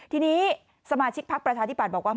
ทีนี้สมาชิกพักประชาธิบัตย์บอกว่า